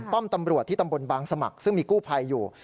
ป้อมตำรวจที่ตำบลบางสมัครซึ่งมีกู้ภัยอยู่